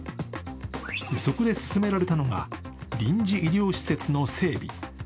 そこで進められたのが臨時医療施設の整備。